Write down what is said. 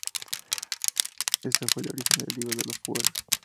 Este fue el origen del libro de los Fueros.